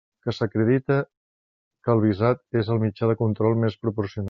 Que s'acredite que el visat és el mitjà de control més proporcionat.